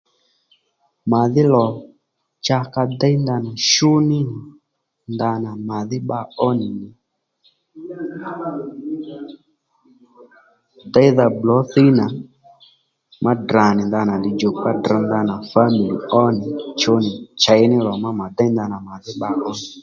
Màdhí lò cha ka déy ndanà shú ní nì ndanà màdhí bba ó nì déydha Bblǒ Thíy nà má Ddrà nì ndanà lidjòkpa drř ndanà famil ó nì chú nì chěy ní lò má mà déy ndanà màdhí bba ó nì